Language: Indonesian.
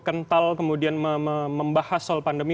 kental kemudian membahas soal pandemi